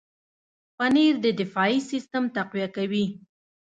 پنېر د دفاعي سیستم تقویه کوي.